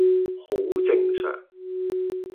好正常